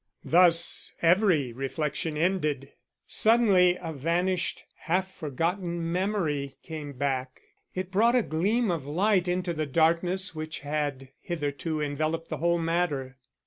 Thus every reflection ended. Suddenly a vanished, half forgotten memory came back. It brought a gleam of light into the darkness which had hitherto enveloped the whole matter.